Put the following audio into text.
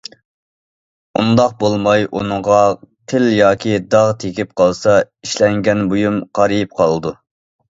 ئۇنداق بولماي ئۇنىڭغا قىل ياكى داغ تېگىپ قالسا، ئىشلەنگەن بۇيۇم قارىيىپ قالىدۇ.